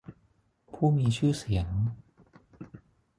ผู้มีชื่อเสียง